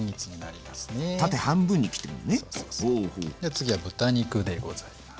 次は豚肉でございます。